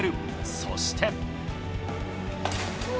そして。